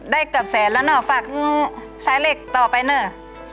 ได้เกือบแสนแล้วนะฝากคุณชายเล็กต่อไปเนอะ